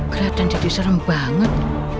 keliatan jadi serem banget